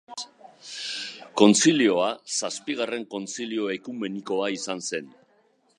Kontzilioa zazpigarren kontzilio ekumenikoa izan zen.